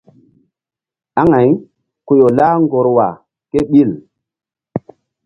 Aŋay ku ƴo lah ŋgorwa kéɓil.